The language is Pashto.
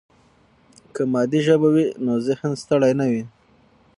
که مادي ژبه وي، نو ذهن ستړي نه وي.